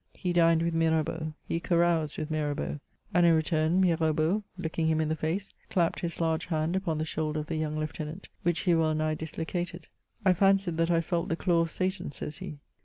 He dined with Miraheau, he caroused with Mirabeau. And, in return, Miraheau, looking him in the face, clapped his large hand ^pon the shoulder of the young lieutenant, which he well nigh dislocated. " I fancied that I felt the claw of Satan," says he.